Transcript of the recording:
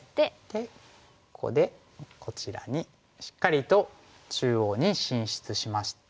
ここでこちらにしっかりと中央に進出しまして。